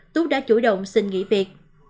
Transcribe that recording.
tú đã chủ động xin nghỉ việc